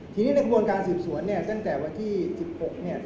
ทีนี้ในกระบวนการสืบสวนเนี่ยตั้งแต่วันที่๑๖เนี่ย